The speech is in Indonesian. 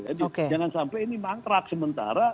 jadi jangan sampai ini mangkrak sementara